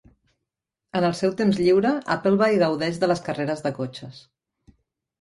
En el seu temps lliure, Appleby gaudeix de les carreres de cotxes.